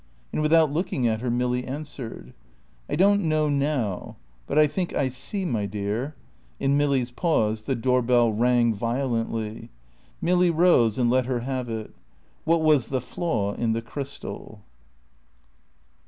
And without looking at her Milly answered. "I don't know now; but I think I see, my dear ..." In Milly's pause the door bell rang violently. Milly rose and let her have it "what was the flaw in the crystal."